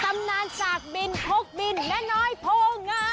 ตำนานสากบินพกบินแม่น้อยโพงา